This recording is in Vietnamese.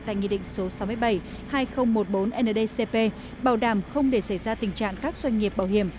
tại nghị định số sáu mươi bảy hai nghìn một mươi bốn ndcp bảo đảm không để xảy ra tình trạng các doanh nghiệp bảo hiểm